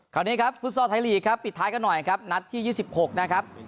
คราวนี้ครับฟุตซอลไทยลีกครับปิดท้ายกันหน่อยครับนัดที่๒๖นะครับ